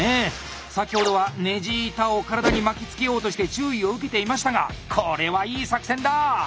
先ほどはネジ板を体に巻きつけようとして注意を受けていましたがこれはいい作戦だ！